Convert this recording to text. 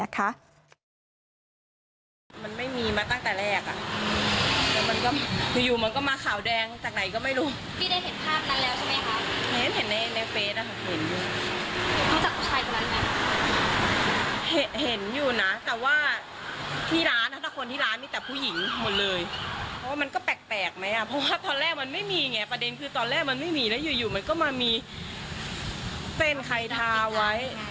คุณผู้ชมฟังเสียงพนักงานร้านก๋วยเตี๋ยวกันหน่อย